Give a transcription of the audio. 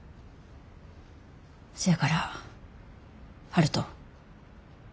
せやから悠人。